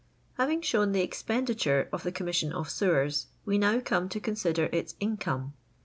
HAYnra shown the expenditure of the Cooh mission of Sewers, we now come to consider its income.